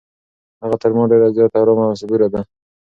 هغه تر ما ډېره زیاته ارامه او صبوره ده.